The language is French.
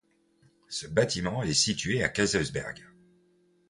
Ce bâtiment est situé à Kaysersberg.